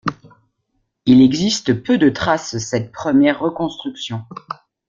Il existe peu de traces cette première reconstruction.